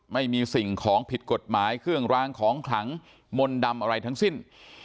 ไม่มีสิ่งของผิดกฎหมายเครื่องรางของขลังมนต์ดำอะไรทั้งสิ้น